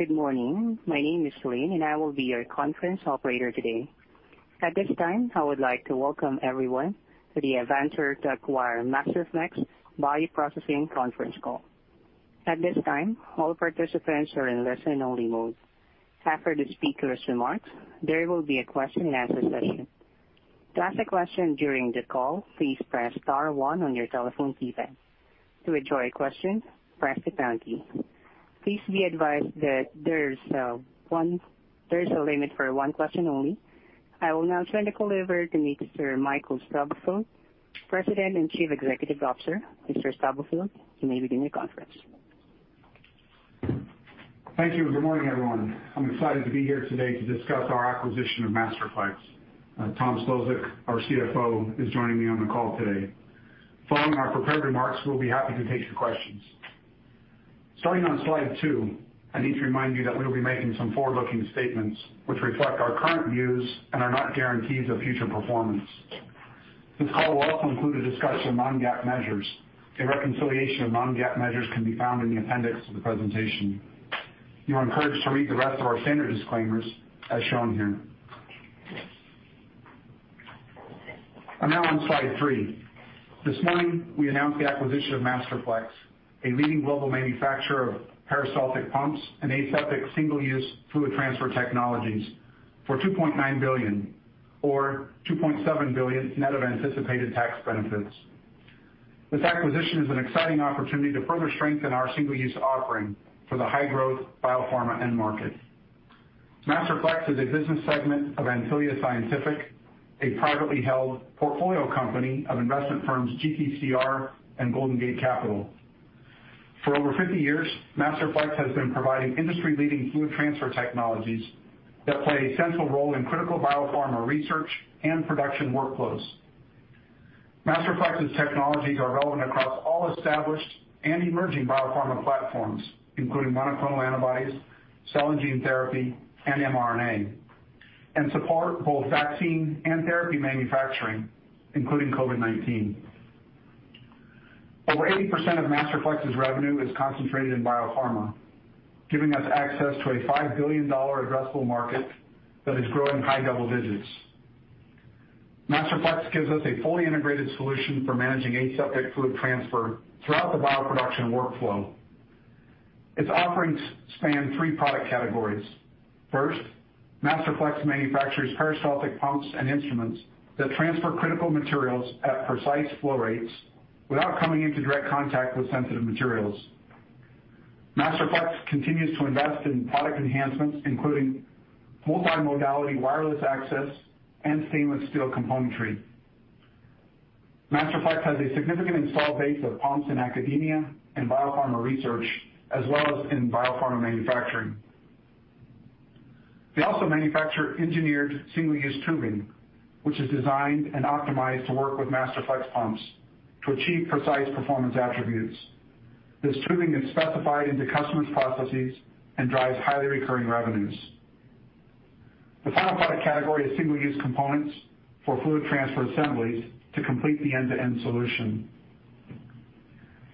Good morning. My name is Celine, and I will be your conference operator today. At this time, I would like to welcome everyone to the Avantor to Acquire Masterflex Bioprocessing Conference Call. At this time, all participants are in listen-only mode. After the speakers' remarks, there will be a question-and-answer session. To ask a question during the call, please press star one on your telephone keypad. To withdraw your question, press the pound key. Please be advised that there's a limit for one question only. I will now turn the call over to Mr. Michael Stubblefield, President and Chief Executive Officer. Mr. Stubblefield, you may begin your conference. Thank you, good morning, everyone. I'm excited to be here today to discuss our acquisition of Masterflex. Thomas Szlosek, our CFO, is joining me on the call today. Following our prepared remarks, we will be happy to take your questions. Starting on slide two, I need to remind you that we will be making some forward-looking statements which reflect our current views and are not guarantees of future performance. This call will also include a discussion of non-GAAP measures. A reconciliation of non-GAAP measures can be found in the appendix of the presentation. You are encouraged to read the rest of our standard disclaimers as shown here. I am now on slide three. This morning, we announced the acquisition of Masterflex, a leading global manufacturer of peristaltic pumps and aseptic single-use fluid transfer technologies, for $2.9 billion or $2.7 billion net of anticipated tax benefits. This acquisition is an exciting opportunity to further strengthen our single-use offering for the high-growth biopharma end market. Masterflex is a business segment of Antylia Scientific, a privately held portfolio company of investment firms GTCR and Golden Gate Capital. For over 50 years, Masterflex has been providing industry-leading fluid transfer technologies that play a central role in critical biopharma research and production workflows. Masterflex's technologies are relevant across all established and emerging biopharma platforms, including monoclonal antibodies, cell and gene therapy, and mRNA, and support both vaccine and therapy manufacturing, including COVID-19. Over 80% of Masterflex's revenue is concentrated in biopharma, giving us access to a $5 billion addressable market that is growing high double digits. Masterflex gives us a fully integrated solution for managing aseptic fluid transfer throughout the bioproduction workflow. Its offerings span three product categories. First, Masterflex manufactures peristaltic pumps and instruments that transfer critical materials at precise flow rates without coming into direct contact with sensitive materials. Masterflex continues to invest in product enhancements, including multimodality, wireless access, and stainless steel componentry. Masterflex has a significant install base of pumps in academia and biopharma research, as well as in biopharma manufacturing. They also manufacture engineered single-use tubing, which is designed and optimized to work with Masterflex pumps to achieve precise performance attributes. This tubing is specified into customers' processes and drives highly recurring revenues. The final product category is single-use components for fluid transfer assemblies to complete the end-to-end solution.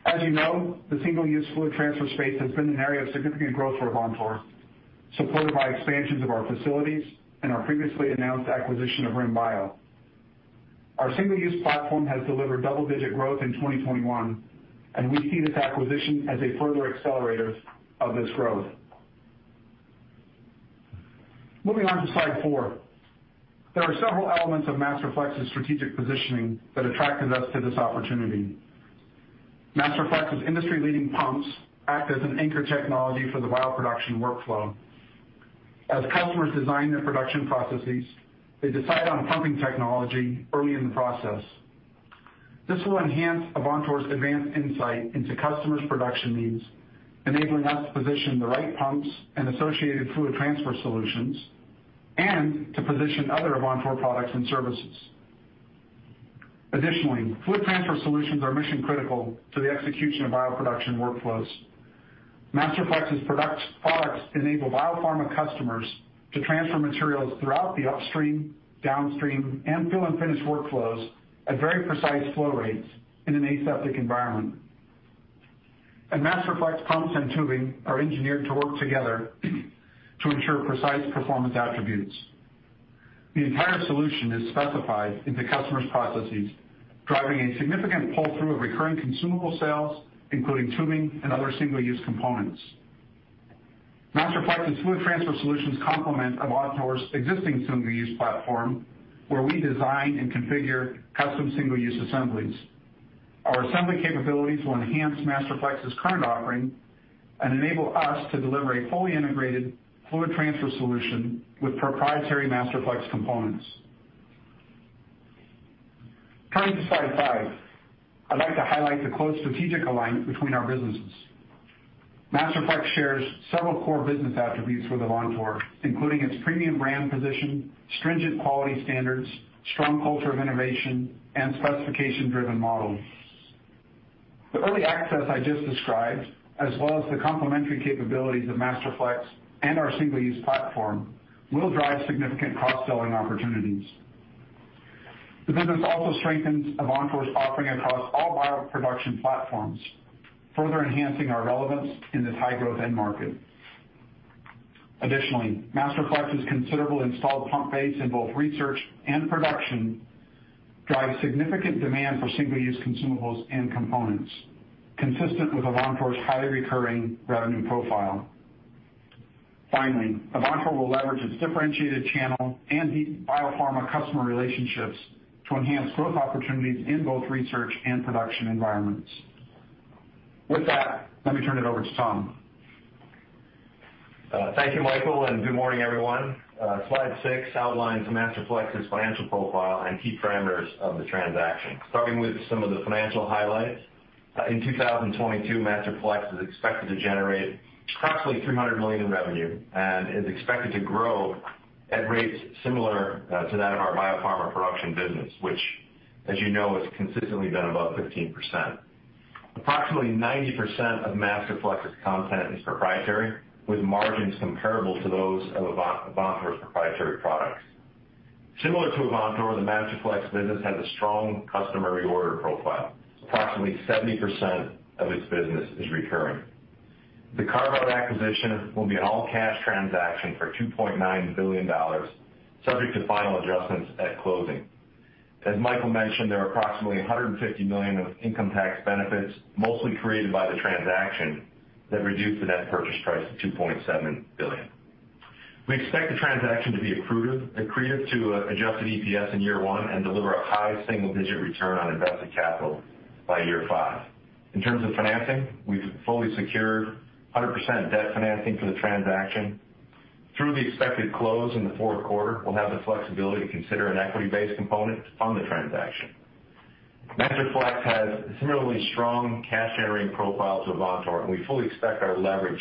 As you know, the single-use fluid transfer space has been an area of significant growth for Avantor, supported by expansions of our facilities and our previously announced acquisition of RIM Bio. Our single-use platform has delivered double-digit growth in 2021, and we see this acquisition as a further accelerator of this growth. Moving on to slide four. There are several elements of Masterflex's strategic positioning that attracted us to this opportunity. Masterflex's industry-leading pumps act as an anchor technology for the bioproduction workflow. As customers design their production processes, they decide on pumping technology early in the process. This will enhance Avantor's advanced insight into customers' production needs, enabling us to position the right pumps and associated fluid transfer solutions and to position other Avantor products and services. Additionally, fluid transfer solutions are mission-critical to the execution of bioproduction workflows. Masterflex's products enable biopharma customers to transfer materials throughout the upstream, downstream, and fill and finish workflows at very precise flow rates in an aseptic environment. Masterflex pumps and tubing are engineered to work together to ensure precise performance attributes. The entire solution is specified into customers' processes, driving a significant pull-through of recurring consumable sales, including tubing and other single-use components. Masterflex's fluid transfer solutions complement Avantor's existing single-use platform, where we design and configure custom single-use assemblies. Our assembly capabilities will enhance Masterflex's current offering and enable us to deliver a fully integrated fluid transfer solution with proprietary Masterflex components. Turning to slide five. I'd like to highlight the close strategic alignment between our businesses. Masterflex shares several core business attributes with Avantor, including its premium brand position, stringent quality standards, strong culture of innovation, and specification-driven models. The early access I just described, as well as the complementary capabilities of Masterflex and our single-use platform, will drive significant cross-selling opportunities. The business also strengthens Avantor's offering across all bioproduction platforms, further enhancing our relevance in this high-growth end market. Additionally, Masterflex's considerable installed pump base in both research and production drives significant demand for single-use consumables and components, consistent with Avantor's highly recurring revenue profile. Finally, Avantor will leverage its differentiated channel and deep biopharma customer relationships to enhance growth opportunities in both research and production environments. With that, let me turn it over to Tom. Thank you, Michael. Good morning, everyone. Slide six outlines Masterflex's financial profile and key parameters of the transaction. Starting with some of the financial highlights. In 2022, Masterflex is expected to generate approximately $300 million in revenue and is expected to grow at rates similar to that of our biopharma production business, which, as you know, has consistently been above 15%. Approximately 90% of Masterflex's content is proprietary, with margins comparable to those of Avantor's proprietary products. Similar to Avantor, the Masterflex business has a strong customer reorder profile. Approximately 70% of its business is recurring. The carve-out acquisition will be an all-cash transaction for $2.9 billion, subject to final adjustments at closing. As Michael mentioned, there are approximately $150 million of income tax benefits, mostly created by the transaction, that reduce the net purchase price to $2.7 billion. We expect the transaction to be accretive to adjusted EPS in year one and deliver a high single-digit return on invested capital by year five. In terms of financing, we've fully secured 100% debt financing for the transaction. Through the expected close in the fourth quarter, we'll have the flexibility to consider an equity-based component to fund the transaction. Masterflex has a similarly strong cash-generating profile to Avantor, and we fully expect our leverage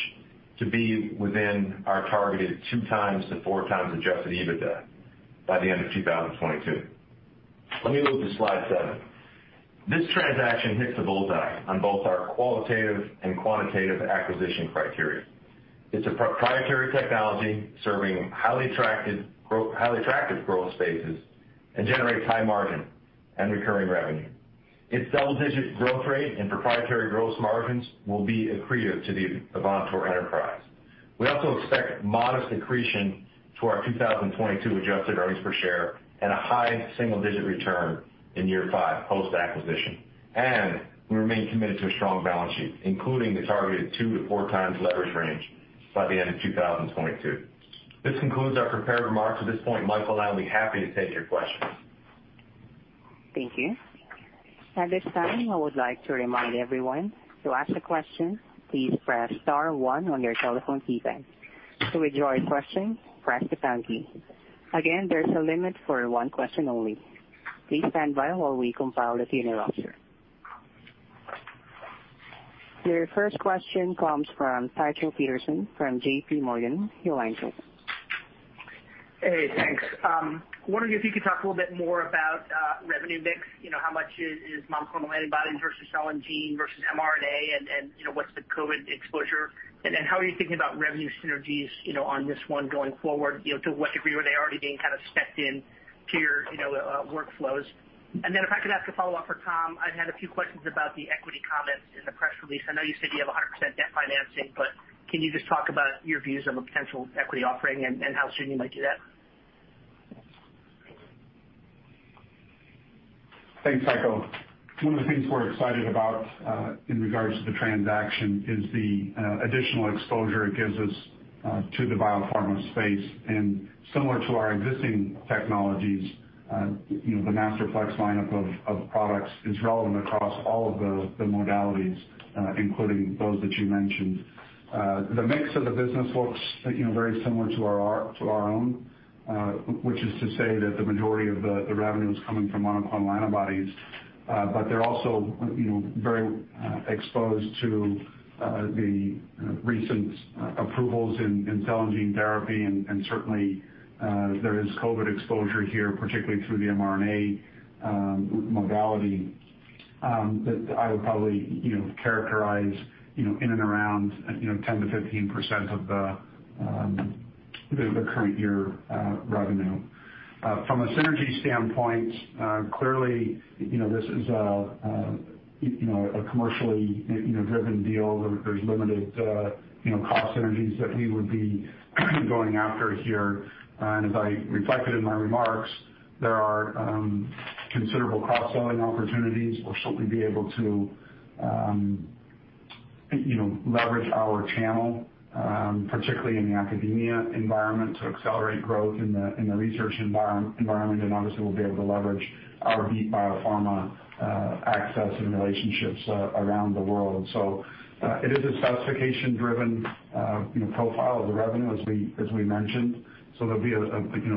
to be within our targeted two times to four times adjusted EBITDA by the end of 2022. Let me move to slide seven. This transaction hits the bullseye on both our qualitative and quantitative acquisition criteria. It's a proprietary technology serving highly attractive growth spaces and generates high margin and recurring revenue. Its double-digit growth rate and proprietary gross margins will be accretive to the Avantor enterprise. We also expect modest accretion to our 2022 adjusted earnings per share and a high single-digit return in year five post-acquisition, and we remain committed to a strong balance sheet, including the targeted two to four times leverage range by the end of 2022. This concludes our prepared remarks. At this point, Michael and I will be happy to take your questions. Thank you. At this time I would like to remind everyone to ask a question, please press star one on your telephone keypad, to withdraw your question press the pound key. Again there's a limit for one question only, please stand by while we compile the Q&A option. Your first question comes from Tycho Peterson from J.P. Morgan. Your line's open. Hey, thanks. Wondering if you could talk a little bit more about revenue mix. How much is monoclonal antibodies versus cell and gene versus mRNA, and what's the COVID exposure? How are you thinking about revenue synergies on this one going forward? To what degree were they already being kind of specced in to your workflows? If I could ask a follow-up for Tom. I've had a few questions about the equity comments in the press release. I know you said you have 100% debt financing, can you just talk about your views on a potential equity offering and how soon you might do that? Thanks, Tycho. One of the things we're excited about in regards to the transaction is the additional exposure it gives us to the biopharma space. Similar to our existing technologies, the Masterflex lineup of products is relevant across all of the modalities, including those that you mentioned. The mix of the business looks very similar to our own, which is to say that the majority of the revenue is coming from monoclonal antibodies. But they're also very exposed to the recent approvals in cell and gene therapy, certainly, there is COVID exposure here, particularly through the mRNA modality, that I would probably characterize in and around 10%-15% of the current year revenue. From a synergy standpoint, clearly, this is a commercially driven deal. There's limited cost synergies that we would be going after here. As I reflected in my remarks, there are considerable cross-selling opportunities. We'll certainly be able to leverage our channel, particularly in the academia environment, to accelerate growth in the research environment. Obviously, we'll be able to leverage our deep biopharma access and relationships around the world. It is a specification-driven profile of the revenue, as we mentioned. There'll be a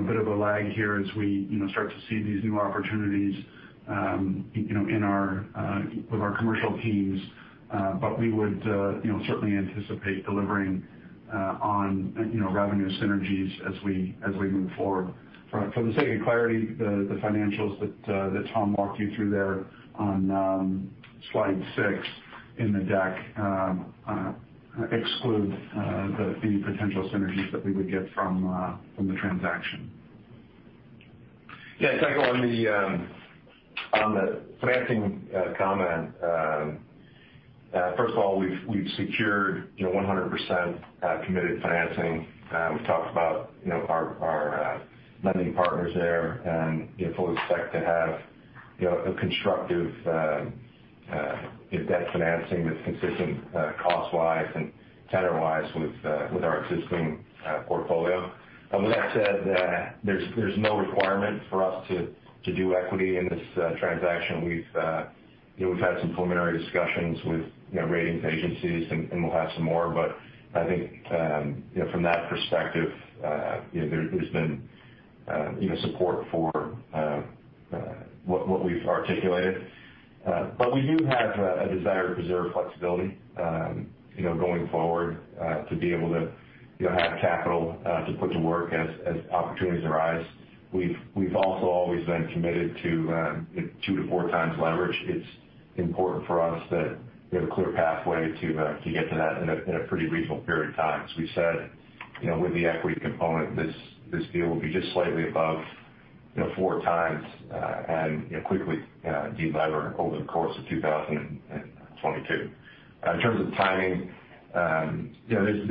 bit of a lag here as we start to see these new opportunities with our commercial teams. We would certainly anticipate delivering on revenue synergies as we move forward. For the sake of clarity, the financials that Tom walked you through there on slide six in the deck exclude any potential synergies that we would get from the transaction. Yeah, Michael, on the financing comment, first of all, we've secured 100% committed financing. We've talked about our lending partners there. Fully expect to have a constructive debt financing that's consistent cost-wise and tenor-wise with our existing portfolio. With that said, there's no requirement for us to do equity in this transaction. We've had some preliminary discussions with ratings agencies. We'll have some more, but I think from that perspective, there's been support for what we've articulated. We do have a desire to preserve flexibility going forward to be able to have capital to put to work as opportunities arise. We've also always been committed to 2x-4x leverage. It's important for us that we have a clear pathway to get to that in a pretty reasonable period of time. As we said, with the equity component, this deal will be just slightly above 4x and quickly de-lever over the course of 2022. In terms of timing, there's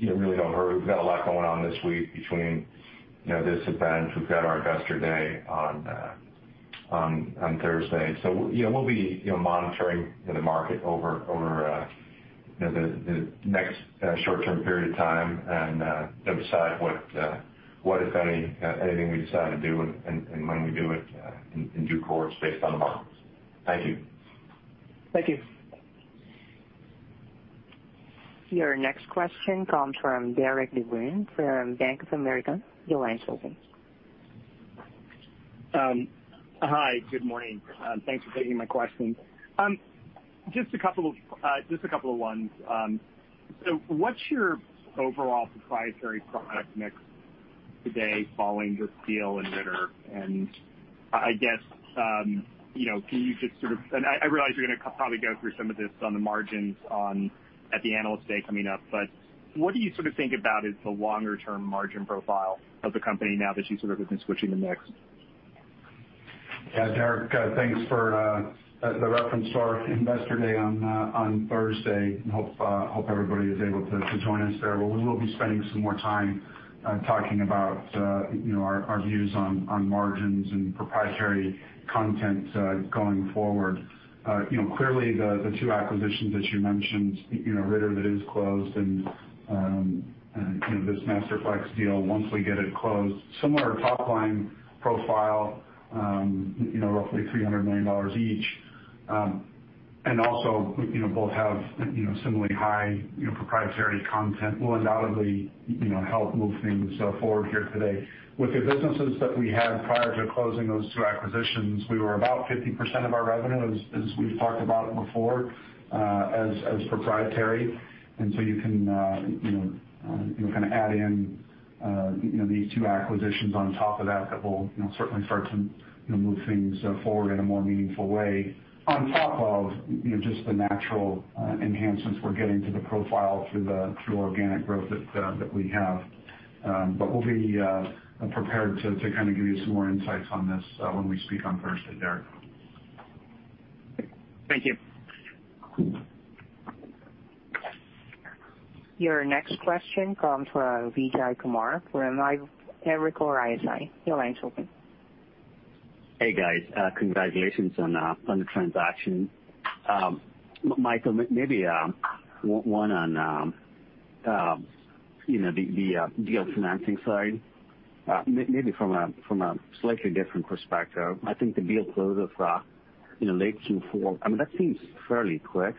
really no hurry. We've got a lot going on this week between this event. We've got our investor day on Thursday. We'll be monitoring the market over the next short-term period of time and decide what, if anything we decide to do and when we do it in due course based on the markets. Thank you. Thank you. Your next question comes from Derik de Bruin from Bank of America. Your line's open. Hi, good morning. Thanks for taking my questions. Just a couple of ones. What's your overall proprietary product mix today following the deal and Ritter GmbH? I realize you're going to probably go through some of this on the margins at the Analyst Day coming up, but what do you sort of think about as the longer-term margin profile of the company now that you sort of have been switching the mix? Yeah, Derik, thanks for the reference to our Investor Day on Thursday. Hope everybody is able to join us there, where we will be spending some more time talking about our views on margins and proprietary content going forward. The two acquisitions that you mentioned, Ritter that is closed and this Masterflex deal once we get it closed, similar top-line profile, roughly $300 million each. Also both have similarly high proprietary content will undoubtedly help move things forward here today. With the businesses that we had prior to closing those two acquisitions, we were about 50% of our revenue, as we've talked about it before, as proprietary. You can kind of add in these two acquisitions on top of that will certainly start to move things forward in a more meaningful way. On top of just the natural enhancements we're getting to the profile through organic growth that we have. We'll be prepared to kind of give you some more insights on this when we speak on Thursday, Derik. Thank you. Your next question comes from Vijay Kumar with Evercore ISI. Your line's open. Hey, guys. Congratulations on the transaction. Michael, maybe one on the deal financing side, maybe from a slightly different perspective. I think the deal close of late Q4, I mean, that seems fairly quick.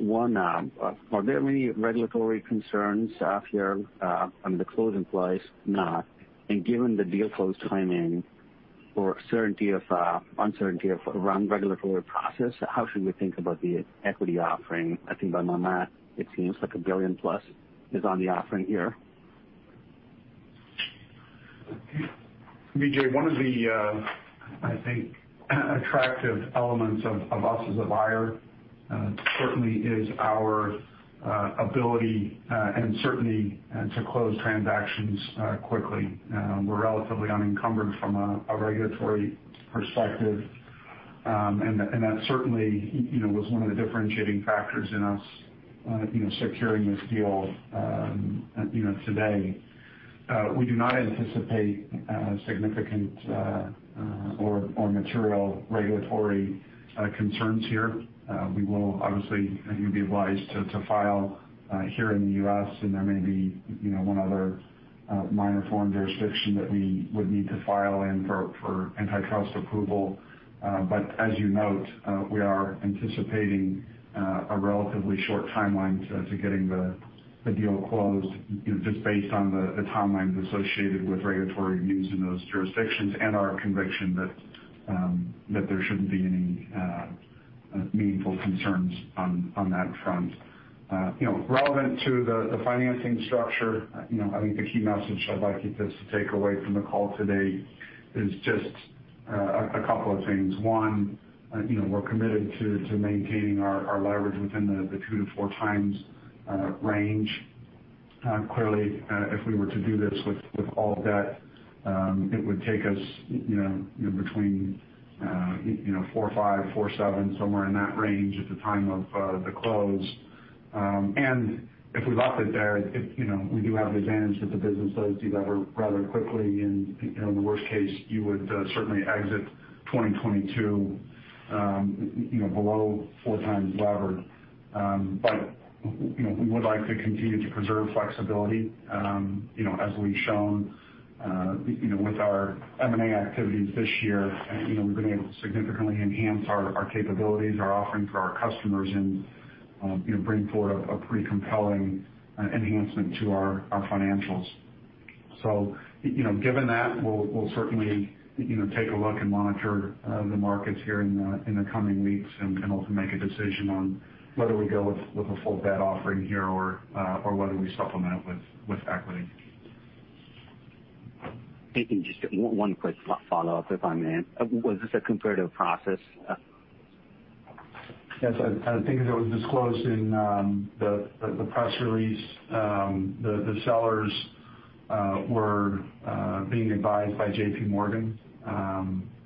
One, are there any regulatory concerns here the closing applies now? Given the deal close timing or uncertainty around regulatory process, how should we think about the equity offering? I think by my math, it seems like a billion-plus is on the offering here. Vijay, one of the, I think, attractive elements of us as a buyer certainly is our ability and certainty to close transactions quickly. We're relatively unencumbered from a regulatory perspective. That certainly was one of the differentiating factors in us securing this deal today. We do not anticipate significant or material regulatory concerns here. We will obviously, I think it'd be wise to file here in the U.S., and there may be one other minor foreign jurisdiction that we would need to file in for antitrust approval. As you note, we are anticipating a relatively short timeline to getting the deal closed just based on the timelines associated with regulatory reviews in those jurisdictions and our conviction that there shouldn't be any meaningful concerns on that front. Relevant to the financing structure, I think the key message I'd like you just to take away from the call today is just a couple of things. One, we're committed to maintaining our leverage within the 2x-4x range. Clearly, if we were to do this with all debt, it would take us between 4.5-4.7, somewhere in that range at the time of the close. If we left it there, we do have the advantage that the business does delever rather quickly. In the worst case, you would certainly exit 2022 below 4x levered. We would like to continue to preserve flexibility. As we've shown with our M&A activities this year, we've been able to significantly enhance our capabilities, our offering for our customers, and bring forward a pretty compelling enhancement to our financials. Given that, we'll certainly take a look and monitor the markets here in the coming weeks and ultimately make a decision on whether we go with a full debt offering here or whether we supplement it with equity. Maybe just one quick follow-up, if I may. Was this a comparative process? Yes. I think as it was disclosed in the press release, the sellers were being advised by J.P. Morgan.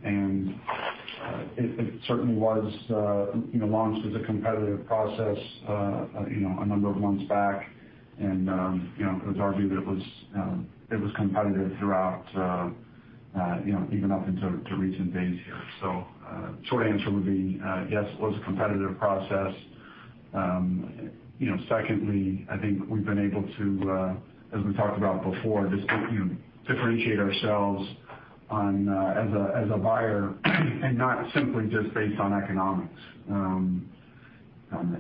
It certainly was launched as a competitive process a number of months back. It was argued that it was competitive throughout, even up until recent days here. Short answer would be yes, it was a competitive process. Secondly, I think we've been able to, as we talked about before, just differentiate ourselves as a buyer and not simply just based on economics.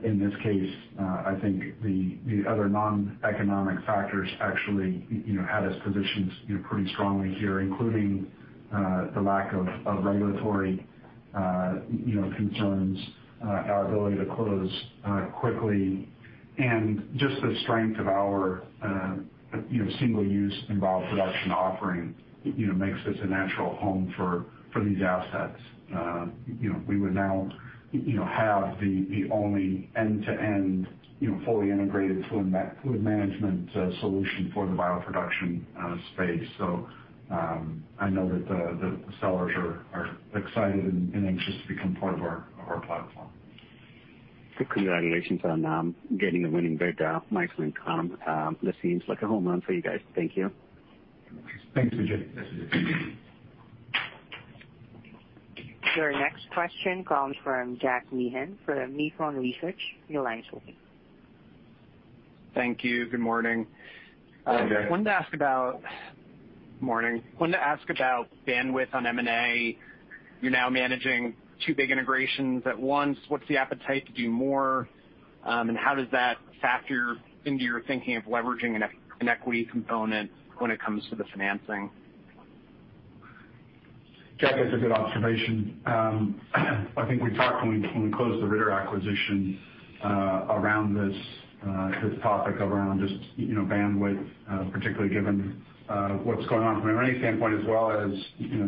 In this case, I think the other non-economic factors actually had us positioned pretty strongly here, including the lack of regulatory concerns, our ability to close quickly, and just the strength of our single-use bioproduction offering makes this a natural home for these assets. We would now have the only end-to-end fully integrated fluid management solution for the bioproduction space. I know that the sellers are excited and anxious to become part of our platform. Congratulations on getting a winning bid, Michael and Tom. This seems like a home run for you guys. Thank you. Thanks, Vijay. Your next question comes from Jack Meehan for Nephron Research. Your line's open. Thank you. Good morning. Good day. Morning. Wanted to ask about bandwidth on M&A. You're now managing two big integrations at once. What's the appetite to do more? How does that factor into your thinking of leveraging an equity component when it comes to the financing? Jack, that's a good observation. I think we talked when we closed the Ritter acquisition around this topic of around just bandwidth, particularly given what's going on from an M&A standpoint, as well as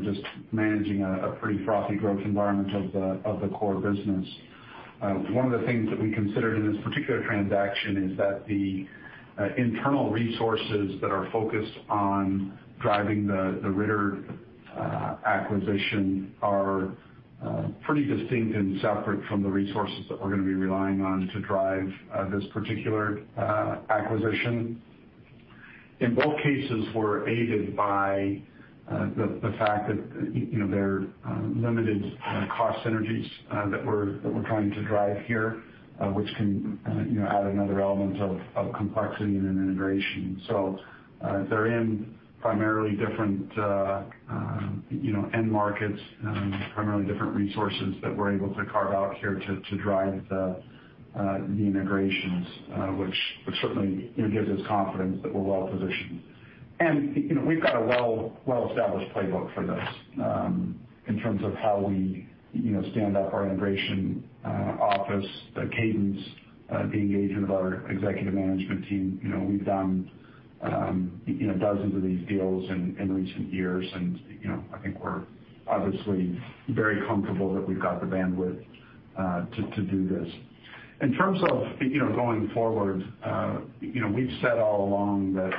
just managing a pretty frothy growth environment of the core business. One of the things that we considered in this particular transaction is that the internal resources that are focused on driving the Ritter acquisition are pretty distinct and separate from the resources that we're going to be relying on to drive this particular acquisition. In both cases, we're aided by the fact that there are limited cost synergies that we're trying to drive here, which can add another element of complexity in an integration. They're in primarily different end markets, primarily different resources that we're able to carve out here to drive the integrations, which certainly gives us confidence that we're well positioned. We've got a well-established playbook for this in terms of how we stand up our integration office, the cadence, the engagement of our executive management team. We've done dozens of these deals in recent years, and I think we're obviously very comfortable that we've got the bandwidth to do this. In terms of going forward, we've said all along that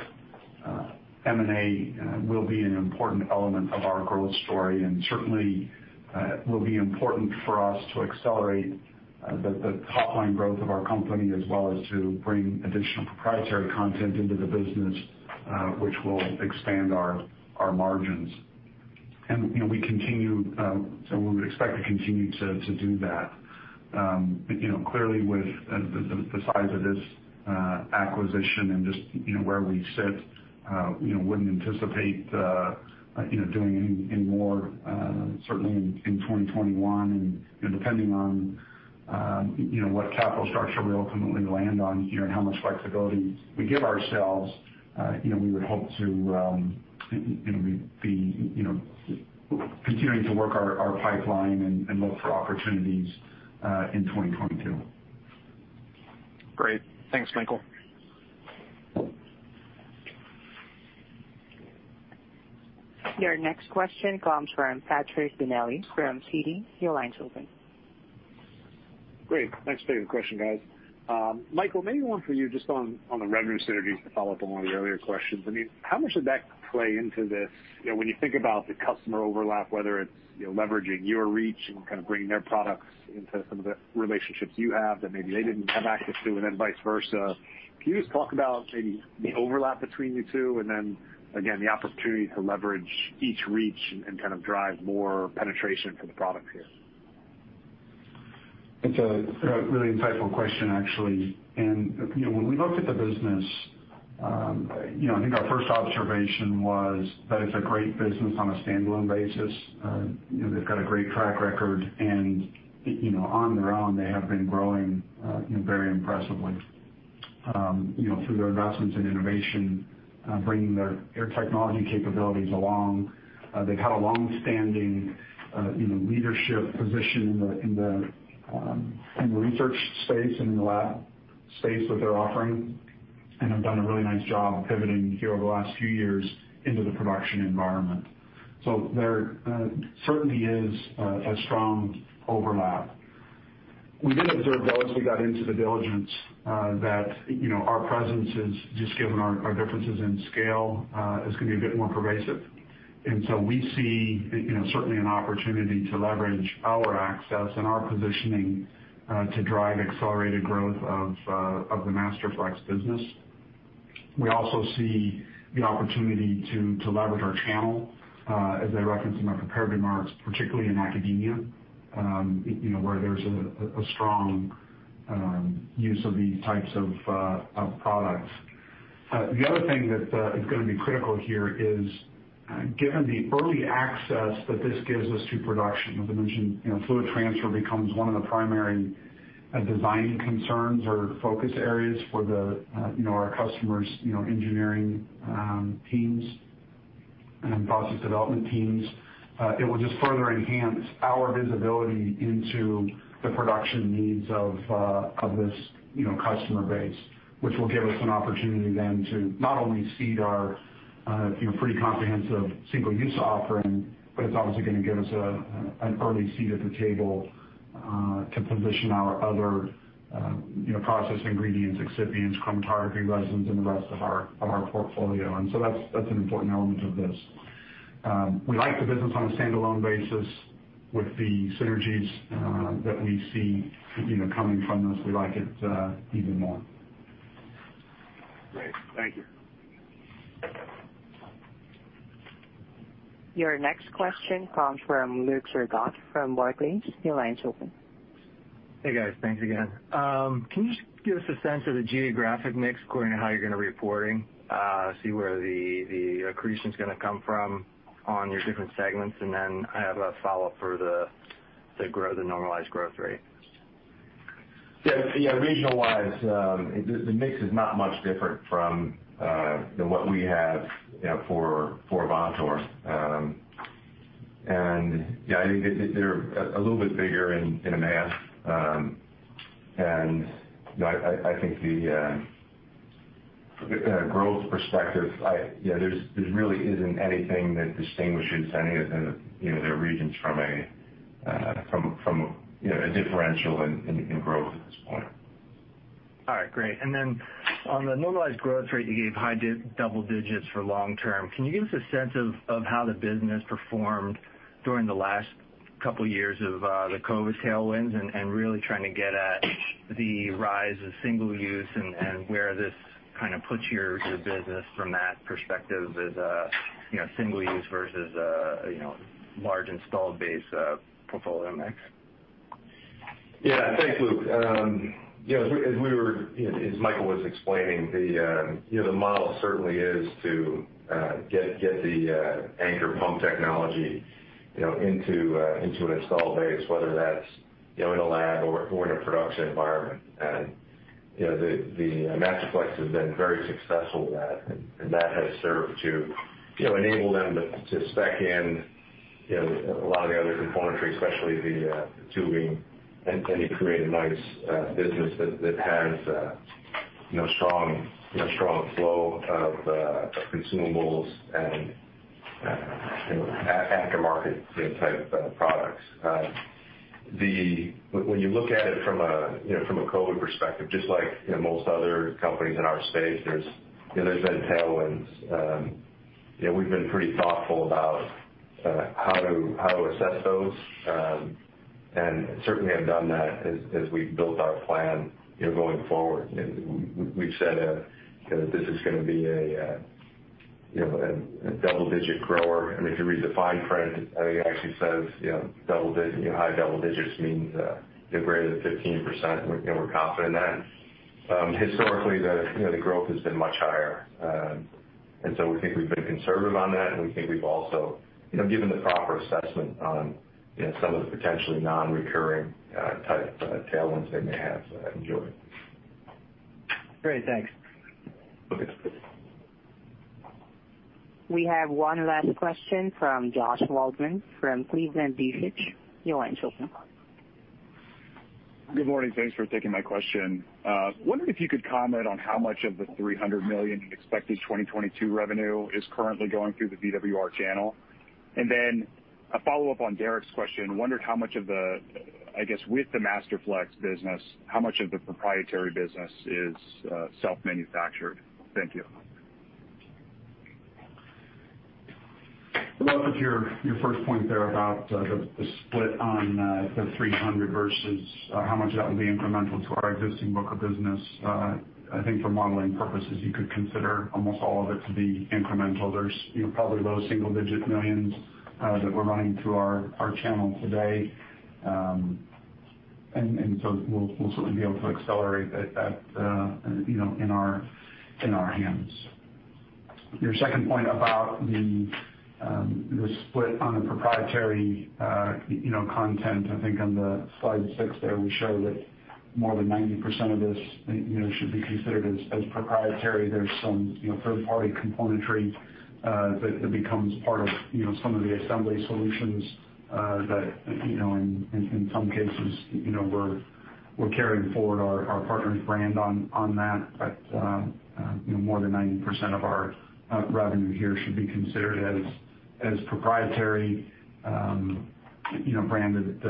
M&A will be an important element of our growth story and certainly will be important for us to accelerate the top-line growth of our company as well as to bring additional proprietary content into the business, which will expand our margins. We would expect to continue to do that. Clearly, with the size of this acquisition and just where we sit, wouldn't anticipate doing any more, certainly in 2021. Depending on what capital structure we ultimately land on and how much flexibility we give ourselves, we would hope to be continuing to work our pipeline and look for opportunities in 2022. Great. Thanks, Michael. Your next question comes from Patrick Donnelly from Citi. Your line is open. Great. Thanks for taking the question, guys. Michael, maybe one for you just on the revenue synergies to follow up on one of the earlier questions. How much did that play into this? When you think about the customer overlap, whether it's leveraging your reach and bringing their products into some of the relationships you have that maybe they didn't have access to, and then vice versa, can you just talk about maybe the overlap between you two and then again, the opportunity to leverage each reach and drive more penetration for the products here? It's a really insightful question, actually. When we looked at the business, I think our first observation was that it's a great business on a standalone basis. They've got a great track record, and on their own, they have been growing very impressively through their investments in innovation, bringing their technology capabilities along. They've had a long-standing leadership position in the research space, in the lab space that they're offering, and have done a really nice job of pivoting here over the last few years into the production environment. There certainly is a strong overlap. We did observe, though, as we got into the diligence, that our presence is, just given our differences in scale, is going to be a bit more pervasive. We see certainly an opportunity to leverage our access and our positioning to drive accelerated growth of the Masterflex business. We also see the opportunity to leverage our channel, as I referenced in my prepared remarks, particularly in academia, where there's a strong use of these types of products. The other thing that is going to be critical here is, given the early access that this gives us to production, as I mentioned, fluid transfer becomes one of the primary designing concerns or focus areas for our customers' engineering teams and process development teams. It will just further enhance our visibility into the production needs of this customer base, which will give us an opportunity then to not only seed our pretty comprehensive single-use offering, but it's obviously going to give us an early seat at the table to position our other process ingredients, excipients, chromatography resins, and the rest of our portfolio. That's an important element of this. We like the business on a standalone basis with the synergies that we see coming from this, we like it even more. Great. Thank you. Your next question comes from Luke Sergott from Barclays. Your line is open. Hey, guys. Thanks again. Can you just give us a sense of the geographic mix according to how you're going to be reporting, see where the accretion's going to come from on your different segments? I have a follow-up for the normalized growth rate. Regional wise, the mix is not much different from what we have for Avantor. I think they're a little bit bigger in mass. I think the growth perspective, there really isn't anything that distinguishes any of their regions from a differential in growth at this point. All right, great. On the normalized growth rate, you gave high double digits for long term. Can you give us a sense of how the business performed during the last couple of years of the COVID tailwinds and really trying to get at the rise of single use and where this puts your business from that perspective as a single use versus a large installed base portfolio mix? Yeah. Thanks, Luke. As Michael was explaining, the model certainly is to get the anchor pump technology into an installed base, whether that's in a lab or in a production environment. Masterflex has been very successful with that, and that has served to enable them to spec in a lot of the other componentry, especially the tubing, and create a nice business that has a strong flow of consumables and aftermarket type products. When you look at it from a COVID perspective, just like most other companies in our space, there's been tailwinds. We've been pretty thoughtful about how to assess those, and certainly have done that as we've built our plan going forward. We've said that this is going to be a double-digit grower, and if you read the fine print, it actually says high double digits means greater than 15%, and we're confident in that. Historically, the growth has been much higher. We think we've been conservative on that, and we think we've also given the proper assessment on some of the potentially non-recurring type tailwinds they may have going forward. Great, thanks. Okay. We have one last question from Josh Waldman from Cleveland Research. Your line's open. Good morning. Thanks for taking my question. Wondering if you could comment on how much of the $300 million in expected 2022 revenue is currently going through the VWR channel? A follow-up on Derik's question, wondered how much of the, I guess, with the Masterflex business, how much of the proprietary business is self-manufactured? Thank you. Well, with your first point there about the split on the $300 versus how much of that will be incremental to our existing book of business, I think for modeling purposes, you could consider almost all of it to be incremental. There's probably low single-digit millions that we're running through our channel today. We'll certainly be able to accelerate that in our hands. Your second point about the split on the proprietary content, I think on the slide six there, we show that more than 90% of this should be considered as proprietary. There's some third-party componentry that becomes part of some of the assembly solutions that in some cases, we're carrying forward our partner's brand on that. More than 90% of our revenue here should be considered as proprietary branded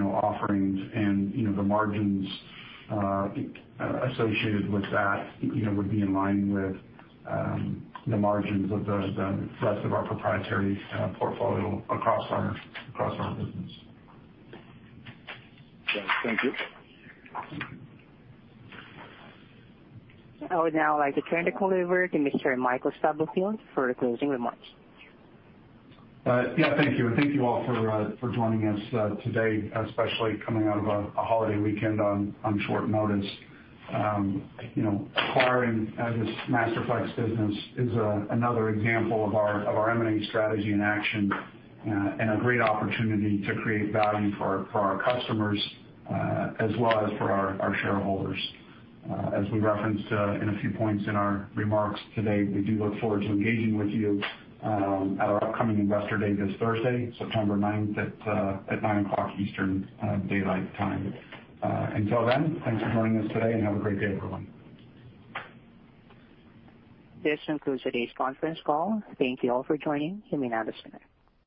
offerings. The margins associated with that would be in line with the margins of the rest of our proprietary portfolio across our business. Thank you. I would now like to turn the call over to Mr. Michael Stubblefield for the closing remarks. Thank you. Thank you all for joining us today, especially coming out of a holiday weekend on short notice. Acquiring this Masterflex business is another example of our M&A strategy in action and a great opportunity to create value for our customers as well as for our shareholders. As we referenced in a few points in our remarks today, we do look forward to engaging with you at our upcoming Investor Day this Thursday, September 9th, at 9:00A.M. Eastern Daylight Time. Until then, thanks for joining us today and have a great day, everyone. This concludes today's conference call. Thank you all for joining. You may disconnect.